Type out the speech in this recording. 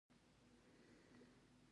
د بدن د ګرمۍ لپاره د څه شي اوبه وڅښم؟